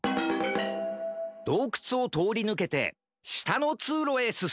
どうくつをとおりぬけてしたのつうろへすす